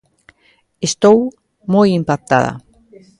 Estou moi impactada.